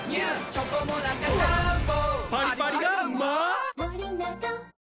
チョコモナカジャーンボパリパリがうまー！